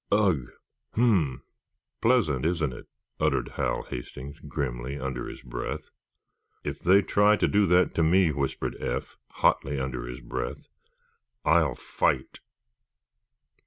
"Ugh! Hm! Pleasant, isn't it?" uttered Hal Hastings, grimly, under his breath. "If they try to do that to me," whispered Eph, hotly, under his breath, "I'll fight."